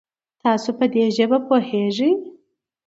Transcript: تاسو په دي ژبه پوهږئ؟